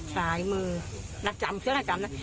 ซ้ายมือนักจำเสื้อนักจำเสวิน